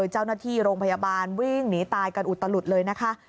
เจ้าหน้าที่โรงพยาบาลวิ่งหนีตายกันอุตลุดเลยนะคะ